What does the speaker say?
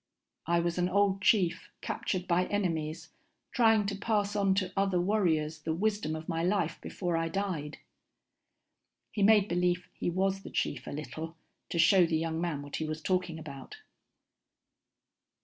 I was an old chief, captured by enemies, trying to pass on to other warriors the wisdom of my life before I died. He made believe he was the chief a little to show the young man what he was talking about.